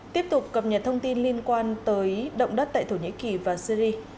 tiếp tục cập nhật thông tin liên quan tới động đất tại thổ nhĩ kỳ và syri